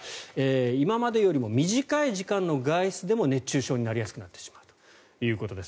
今までよりも短い時間の外出でも熱中症になりやすくなってしまうということです。